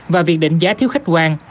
và việc đỉnh giá thiếu khách quan